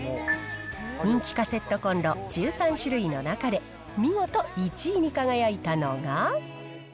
人気カセットコンロ１３種類の中で見事１位に輝いたのが。